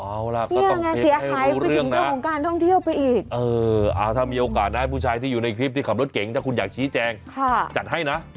เอาล่ะก็ต้องเทคให้รู้เรื่องนะถ้ามีโอกาสนะผู้ชายที่อยู่ในคลิปที่ขับรถเก่งถ้าคุณอยากชี้แจงจัดให้นะ